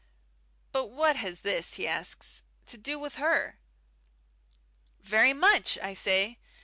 "But what has this," he asks, "to do with her?" "Very much," I say.